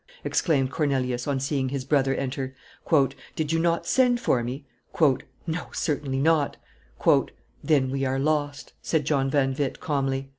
exclaimed Cornelius, on seeing his brother enter. "Did you not send for me?" "No, certainly not." Then we are lost," said John van Witt, calmly.